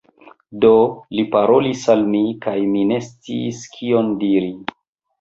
Do, li parolis al mi, kaj mi ne sciis kion diri.